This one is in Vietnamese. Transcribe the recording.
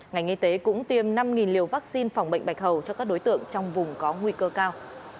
ngành y tế cũng tiêm năm liều vaccine phòng bệnh bạch hầu cho các đối tượng trong vùng có nguy cơ cao